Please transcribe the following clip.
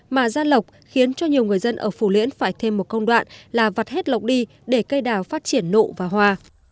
mà ra lọc khiến cho nhiều người dân ở phù liễn phải thêm một công đoạn là vặt hết lọc đi để cây đào phát triển nụ và hòa